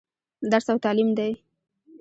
درس او تعليم دى.